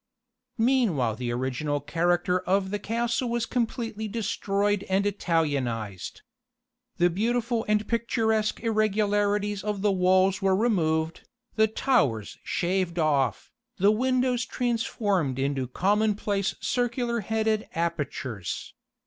Meanwhile the original character of the castle was completely destroyed and Italianised. The beautiful and picturesque irregularities of the walls were removed, the towers shaved off, the windows transformed into commonplace circular headed apertures.